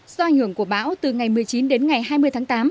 do ảnh hưởng của bão từ ngày một mươi chín đến ngày hai mươi tháng tám